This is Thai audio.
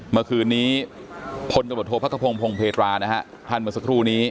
เมื่อคืนนี้พลตำรวจโทษพระขพงศพงเพตรานะฮะท่านเมื่อสักครู่นี้